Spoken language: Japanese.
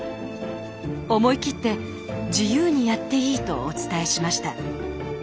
思い切って自由にやっていいとお伝えしました。